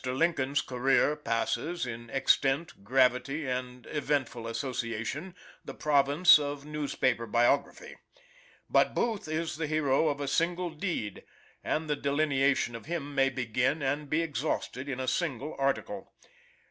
Lincoln's career passes, in extent, gravity, and eventful association, the province of newspaper biography; but Booth is the hero of a single deed, and the delineation of him may begin and be exhausted in a single article.